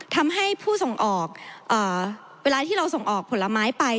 ทำให้ผู้ส่งออกเวลาที่เราส่งออกผลไม้ไป